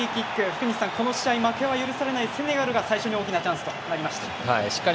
福西さん、この試合は負けが許されないセネガルが最初に大きなチャンスとなりました。